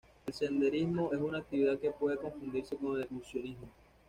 El senderismo es una actividad que puede confundirse con el excursionismo.